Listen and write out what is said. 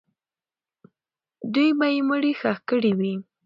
دوی به یې مړی ښخ کړی وي.